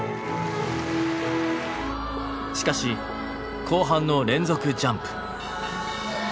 しかし後半の連続ジャンプ。